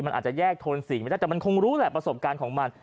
มันอาจจะแยกโทนสิ่งไม่ได้แต่มันคงรู้แหละประสบการณ์ของมัน